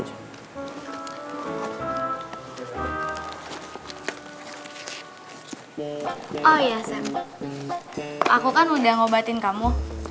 oh ya aku kan udah ngobatin kamu